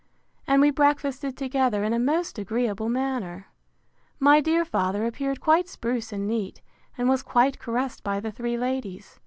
And we breakfasted together in a most agreeable manner. My dear father appeared quite spruce and neat, and was quite caressed by the three ladies.